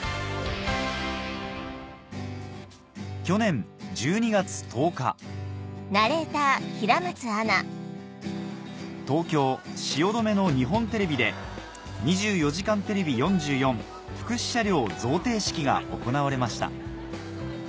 去年１２月１０日東京・汐留の日本テレビで『２４時間テレビ４４』福祉車両贈呈式が行われました